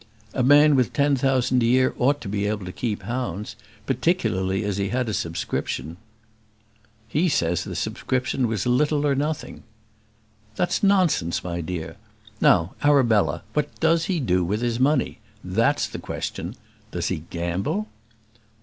A man with ten thousand a year ought to be able to keep hounds; particularly as he had a subscription." "He says the subscription was little or nothing." "That's nonsense, my dear. Now, Arabella, what does he do with his money? That's the question. Does he gamble?"